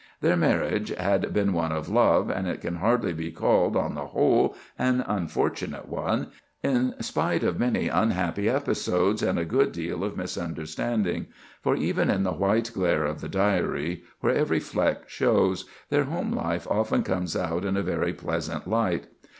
Their marriage had been one of love, and it can hardly be called, on the whole, an unfortunate one, in spite of many unhappy episodes and a good deal of misunderstanding; for even in the white glare of the Diary, where every fleck shows, their home life often comes out in a very pleasant light.